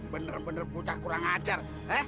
bener bener bucah kurang ajar